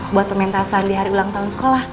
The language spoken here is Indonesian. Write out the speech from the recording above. buat pementasan di hari ulang tahun sekolah